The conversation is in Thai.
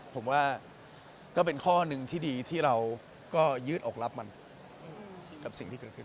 ผมว่าก็เป็นข้อหนึ่งที่ดีที่เราก็ยืดอกรับมันกับสิ่งที่เกิดขึ้น